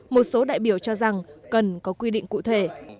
một số đại biểu cho rằng cần có quy định cụ thể